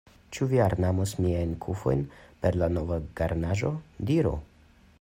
Ĉu vi ornamos miajn kufojn per la nova garnaĵo, diru?